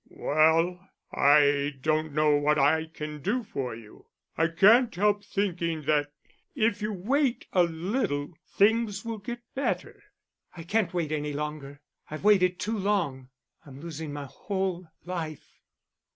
"Well, I don't know what I can do for you. I can't help thinking that if you wait a little things will get better." "I can't wait any longer. I've waited too long. I'm losing my whole life."